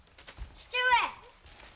父上！